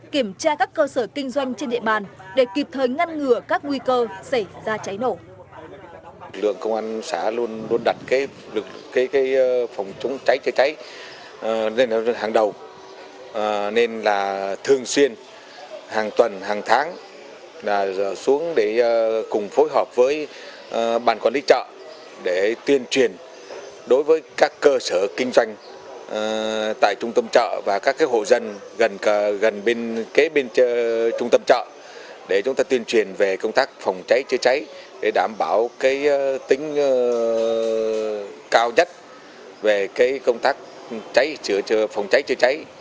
kiểm tra các cơ sở kinh doanh trên địa bàn để kịp thời ngăn ngừa các nguy cơ xảy ra cháy nổ